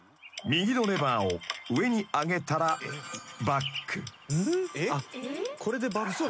［右のレバーを上に上げたらバック］